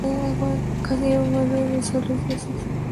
Cai fue forzado a realizar cortes extensos en la película.